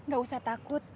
gak usah takut